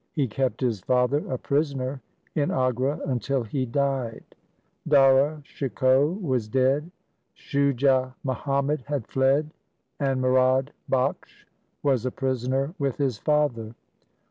He kept his father a prisoner in Agra until he died. Dara Shikoh was dead, Shujah Muhammad had fled, and Murad Bakhsh was a prisoner with his father.